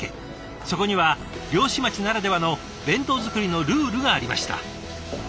そこは漁師町ならではの弁当作りのルールがありました。